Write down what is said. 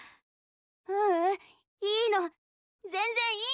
ううんいいの全然いいの。